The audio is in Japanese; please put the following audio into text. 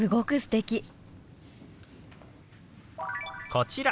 こちら。